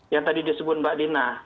yang tadi disebut mbak dina